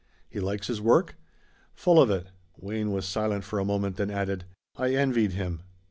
"He likes his work?" "Full of it." Wayne was silent for a moment, then added: "I envied him."